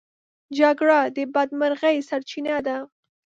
جګړه د بدمرغۍ سرچينه ده.